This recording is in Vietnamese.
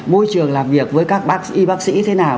môi trường làm việc với các bác y bác sĩ thế nào